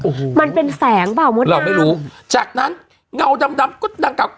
โอ้โหมันเป็นแสงเปล่ามดเราไม่รู้จากนั้นเงาดำดำก็ดังเก่า